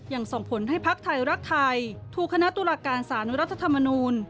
ส่งผลให้พักไทยรักไทยถูกคณะตุลาการสารรัฐธรรมนูล